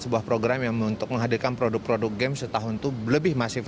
sebuah program yang untuk menghadirkan produk produk game setahun itu lebih masif